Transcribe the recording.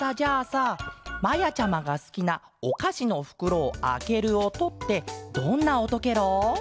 さまやちゃまがすきなおかしのふくろをあけるおとってどんなおとケロ？